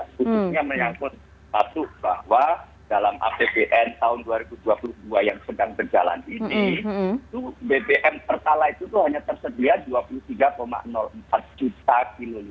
khususnya menyangkut satu bahwa dalam apbn tahun dua ribu dua puluh dua yang sedang berjalan ini itu bbm pertalai itu hanya tersedia dua puluh tiga empat juta kiloli